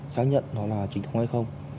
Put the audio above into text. xác nhận nó là trinh thống hay không